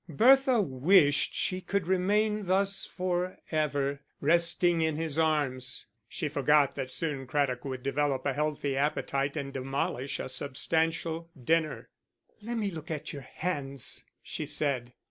Bertha wished she could remain thus for ever, resting in his arms. She forgot that soon Craddock would develop a healthy appetite and demolish a substantial dinner. "Let me look at your hands," she said.